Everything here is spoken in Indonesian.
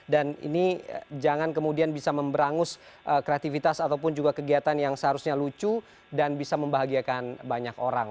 dan ini jangan kemudian bisa memberangus kreativitas ataupun juga kegiatan yang seharusnya lucu dan bisa membahagiakan banyak orang